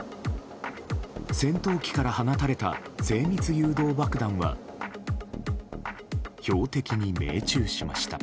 戦闘機から放たれた精密誘導爆弾は標的に命中しました。